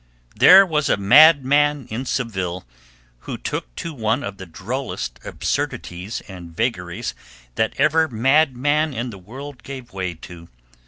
There was a madman in Seville who took to one of the drollest absurdities and vagaries that ever madman in the world gave way to.